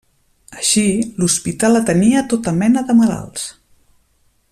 Així, l'hospital atenia tota mena de malalts.